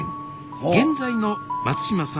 現在の松嶋さん